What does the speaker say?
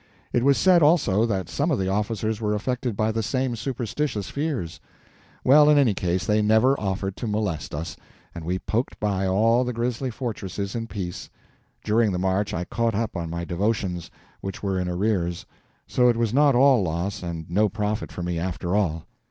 It was said also that some of the officers were affected by the same superstitious fears. Well, in any case, they never offered to molest us, and we poked by all the grisly fortresses in peace. During the march I caught up on my devotions, which were in arrears; so it was not all loss and no profit for me after all.